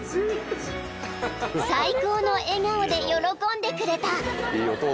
［最高の笑顔で喜んでくれた］